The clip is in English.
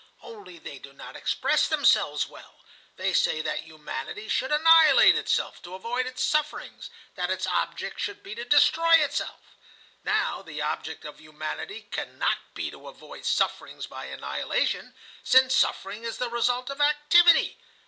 Only they do not express themselves well. They say that Humanity should annihilate itself to avoid its sufferings, that its object should be to destroy itself. Now the object of Humanity cannot be to avoid sufferings by annihilation, since suffering is the result of activity.